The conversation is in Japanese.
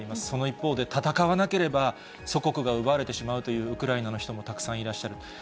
その一方で、戦わなければ、祖国が奪われてしまうというウクライナの人もたくさんいらっしゃる。